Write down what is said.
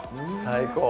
最高！